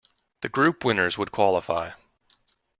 The group winners would qualify.